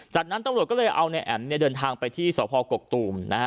จากนั้นตำรวจก็เลยเอานายแอ๋มเนี่ยเดินทางไปที่สพกกตูมนะฮะ